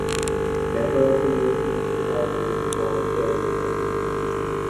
Member of the European Society for Hair Research.